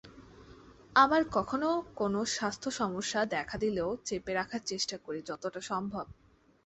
আমার কখনো কোনো স্বাস্থ্যসমস্যা দেখা দিলেও চেপে রাখার চেষ্টা করি, যতটা সম্ভব।